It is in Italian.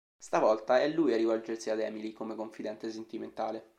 Stavolta è lui a rivolgersi ad Emily, come confidente sentimentale.